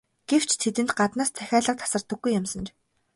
Гэвч тэдэнд гаднаас захиалга тасардаггүй юмсанж.